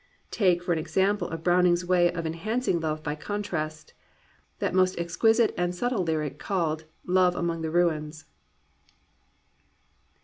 Take, for an example of Browning's way of en hancing love by contrast, that most exquisite and subtle lyric called Love Among the Ruins.